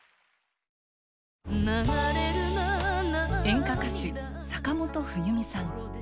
演歌歌手坂本冬美さん。